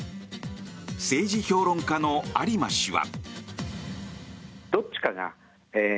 政治評論家の有馬氏は。